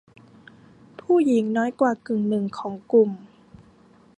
ผู้หญิงน้อยกว่ากึ่งหนึ่งของกลุ่ม